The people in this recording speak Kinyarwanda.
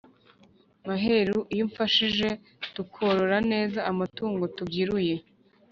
Maheru iyo umfashijeTukorora nezaAmatungo tubyiruye!